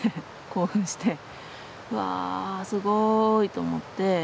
興奮して。わすごいと思って。